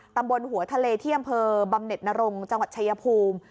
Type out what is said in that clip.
ตำบลหัวทะเลที่อำเภอบำเน็ตนรงจังหวัดชายภูมิ